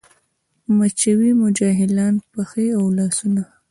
مچوي مو جاهلان پښې او لاسونه